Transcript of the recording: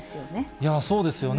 いやあ、そうですよね。